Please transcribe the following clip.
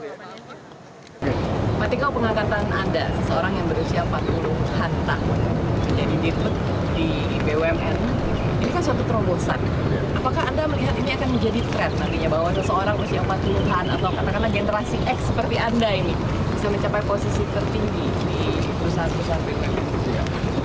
berarti kalau pengangkatan anda seseorang yang berusia empat puluh an tahun menjadi di tutup di bumn ini kan suatu terobosan